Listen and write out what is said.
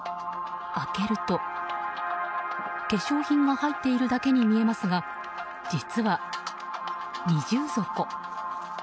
開けると、化粧品が入っているだけに見えますが実は、二重底。